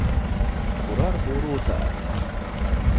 • It hurar, bo‘ri o‘tar.